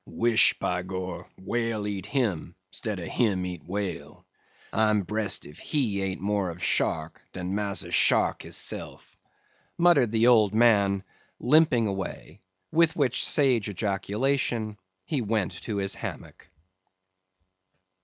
"Wish, by gor! whale eat him, 'stead of him eat whale. I'm bressed if he ain't more of shark dan Massa Shark hisself," muttered the old man, limping away; with which sage ejaculation he went to his hammock.